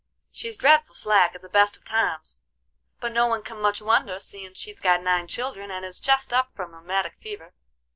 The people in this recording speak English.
She's dreadful slack at the best of times, but no one can much wonder, seein' she's got nine children, and is jest up from a rheumatic fever.